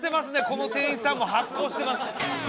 この店員さんも発酵してます